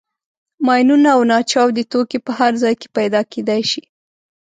ماینونه او ناچاودي توکي په هر ځای کې پیدا کېدای شي.